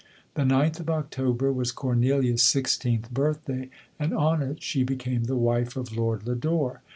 The ninth of October was Cornelia's sixteenth birthday, and on it she became the wife of Lord Lodore.